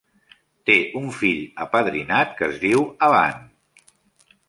Té un fill apadrinat que es diu Abanne.